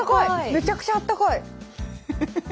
めちゃくちゃあったかい。